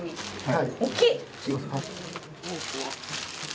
はい。